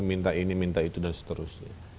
minta ini minta itu dan seterusnya